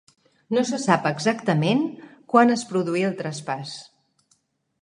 No se sap exactament quan es produí el traspàs.